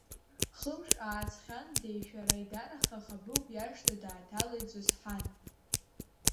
Хымш ааҵхьан деишәара-еидараха Хабыгә иашҭа дааҭалеит Зосҳан.